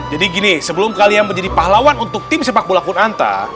jadi gini sebelum kalian menjadi pahlawan untuk tim sepak bola kunanta